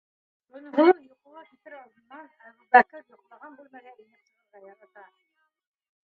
Көнһылыу йоҡоға китер алдынан Әбүбәкер йоҡлаған бүлмәгә инеп сығырға ярата.